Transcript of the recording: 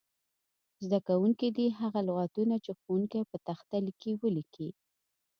زده کوونکي دې هغه لغتونه چې ښوونکی په تخته لیکي ولیکي.